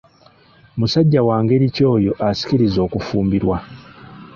Musajja wa ngeri ki oyo ansikiriza okufumbirwa?